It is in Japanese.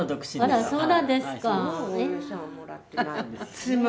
・あらそうなんですか。